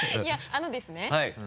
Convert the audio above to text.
いやあのですね